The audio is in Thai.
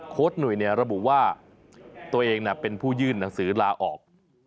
หนุ่ยระบุว่าตัวเองเป็นผู้ยื่นหนังสือลาออก